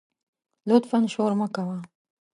لطفآ شور مه کوه